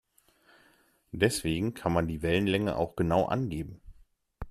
Deswegen kann man die Wellenlänge auch genau angeben.